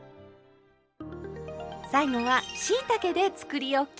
最後はしいたけでつくりおき。